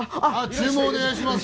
注文お願いします